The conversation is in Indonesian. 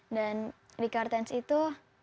dan di kartens itu